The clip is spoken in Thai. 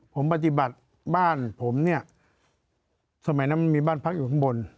ผมปฏิบัติบ้านผมเนี่ยสมัยนั้นมันมีบ้านพักอยู่ข้างบน